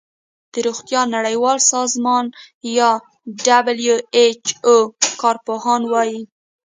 د روغتیا نړیوال سازمان یا ډبلیو ایچ او کار پوهان وايي